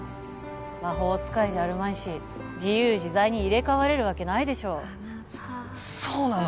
魔法使いじゃあるまいし自由自在に入れ替われるわけないでしょそうなの？